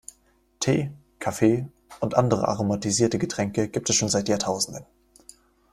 Tee, Kaffee und andere aromatisierte Getränke gibt es schon seit Jahrtausenden.